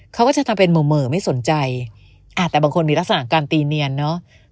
เขาก็จะทำเป็นเหม่อไม่สนใจแต่บางคนมีลักษณะของการตีเนียนเนอะ